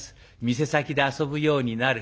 店先で遊ぶようになる。